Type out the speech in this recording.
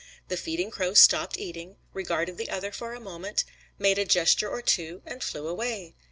The feeding crow stopped eating, regarded the other for a moment, made a gesture or two, and flew away.